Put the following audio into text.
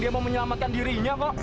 dia mau menyelamatkan dirinya kok